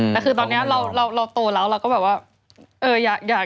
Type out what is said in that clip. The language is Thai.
แต่คือตอนนี้เราโตแล้วเราก็แบบว่า